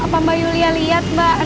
apa mbak yulia liat mbak anak saya